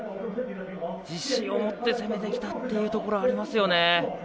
自信を持って攻めてきたってところはありますよね。